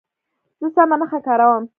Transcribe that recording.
زه سمه نښه کاروم.